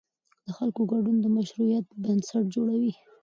د خلکو ګډون د مشروعیت بنسټ جوړوي